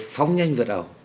phóng nhanh vượt ẩu